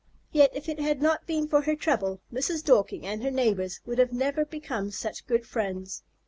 Yet if it had not been for her trouble, Mrs. Dorking and her neighbors would never have become such good friends.